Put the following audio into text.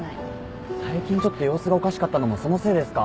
最近ちょっと様子がおかしかったのもそのせいですか？